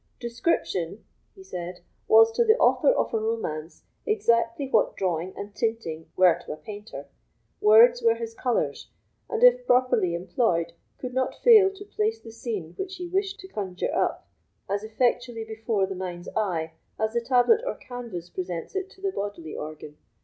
"Description," he said, "was to the author of a romance exactly what drawing and tinting were to a painter: words were his colours, and, if properly employed, they could not fail to place the scene which he wished to conjure up as effectually before the mind's eye as the tablet or canvas presents it to the bodily organ.